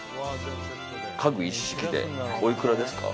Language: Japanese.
家具一式でおいくらですか？